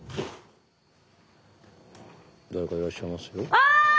ああ！